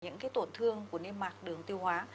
những cái tổn thương của niêm mạc đường tiêu hóa